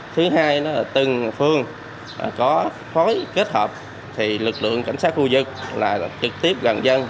thứ hai là từng phương có phối kết hợp thì lực lượng cảnh sát khu vực là trực tiếp gần dân